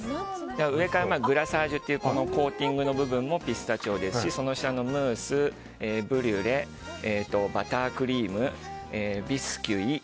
上からグラサージュというコーティングの部分もピスタチオですしその下のムース、ブリュレバタークリーム、ビスキュイ